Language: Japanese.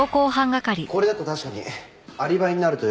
これだと確かにアリバイになるといえばなりますね。